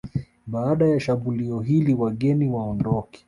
Baada ya shambulio hili wageni waondoke